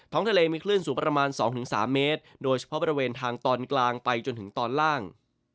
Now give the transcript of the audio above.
ทะเลมีคลื่นสูงประมาณ๒๓เมตรโดยเฉพาะบริเวณทางตอนกลางไปจนถึงตอนล่าง